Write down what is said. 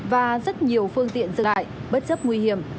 và rất nhiều phương tiện dừng lại bất chấp nguy hiểm